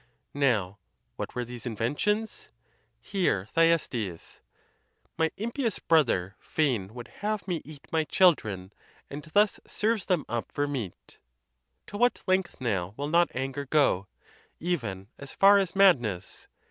Now, what were these inventions? Hear Thyestes: My impious brother fain would have me eat My children, and thus serves them up for meat. To what length now will not anger go? even as far as madness.